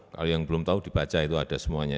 kalau yang belum tahu dibaca itu ada semuanya